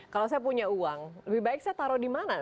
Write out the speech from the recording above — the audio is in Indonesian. kalau saya punya uang lebih baik saya taruh di mana